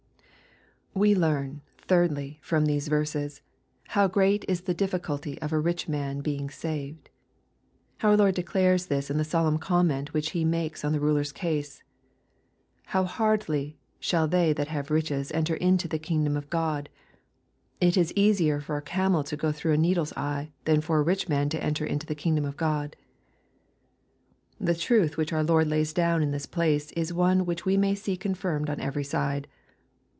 We learn, thirdly, from these verses, how great is the difficulty of a rich man being saved. Our Lord declares this in the solemn comment which He makes on the ruler's case :" How hardly shall they that have riches enter into the kingdom of God ! It is easier for a camel to go through a needle's eye, than for a rich man to en ter into the kingdom of God." The truth which our Lord lays down in this place, is one, which we may see confirmed on every side.